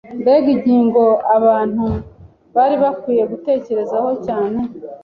Mbega ingingo abantu bari bakwiye gutekerezaho cyane